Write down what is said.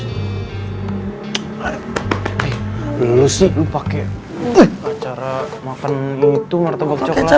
eh lu sih lu pake acara makan itu martabak coklatnya